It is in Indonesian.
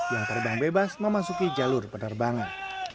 yang terbang bebas memasuki jalur penerbangan